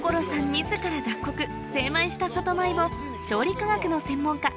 自ら脱穀精米した里米を調理科学の専門家